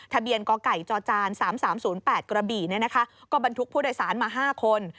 ทะเบียนก่อก่ายจอจาน๓๓๐๘กระบี่เนี่ยนะคะก็บรรทุกผู้โดยสารมา๕คน